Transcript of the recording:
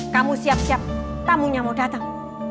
kamu siap siap tamunya mau datang